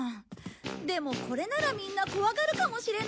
でもこれならみんな怖がるかもしれない！